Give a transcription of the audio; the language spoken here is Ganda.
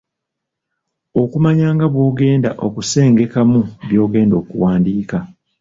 Okumanya nga bw’ogenda okusengekamu by’ogenda okuwandiika